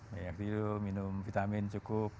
banyak tidur minum vitamin cukup